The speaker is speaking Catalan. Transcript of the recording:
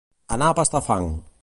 Anar a pastar fang